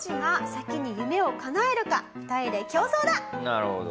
なるほど。